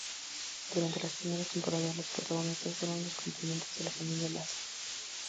Durante las primeras temporadas, los protagonistas fueron los componentes de la familia Lasa.